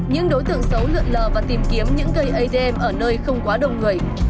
những đối tượng xấu lượn lờ và tìm kiếm những cây adm ở nơi không quá đông người